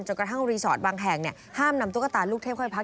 กระทั่งรีสอร์ทบางแห่งห้ามนำตุ๊กตาลูกเทพค่อยพัก